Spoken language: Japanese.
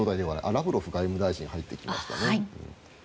ラブロフ外務大臣が入ってきましたね。